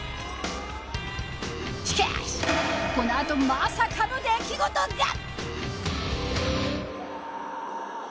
しかしこのあとまさかの出来事が！